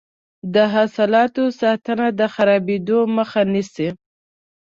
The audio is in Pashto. د حاصلاتو ساتنه د خرابیدو مخه نیسي.